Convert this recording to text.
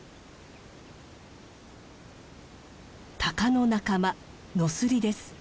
タカの仲間ノスリです。